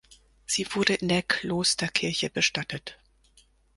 Sie wurde in der Klosterkirche bestattet.